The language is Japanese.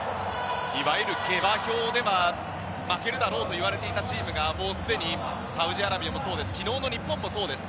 いわゆる下馬評では負けるだろうといわれていたチームがもうすでにサウジアラビアもそうですし昨日の日本もそうです。